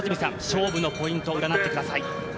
勝負のポイント、占ってください。